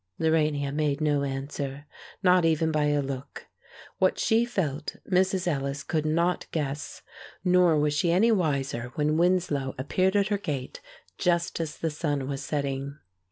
Lorania made no answer, not even by a look. What she felt, Mrs. Ellis could not guess. Nor was she any wiser when Winslow appeared at her gate, just as the sun was setting.